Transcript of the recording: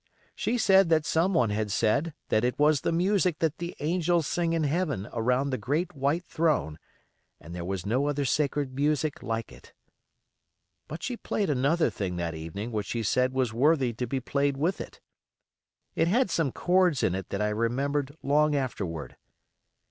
She said that some one had said it was the music that the angels sing in heaven around the great white throne, and there was no other sacred music like it. But she played another thing that evening which she said was worthy to be played with it. It had some chords in it that I remembered long afterward.